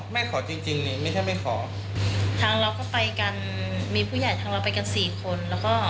แต่คงจำได้เสี่ยงเค้าคงจะจำได้ละค่ะ